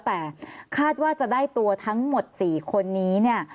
แต่คาดว่าจะได้ตัวทั้งหมด๔คนนี้เนี่ย